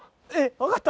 分かった？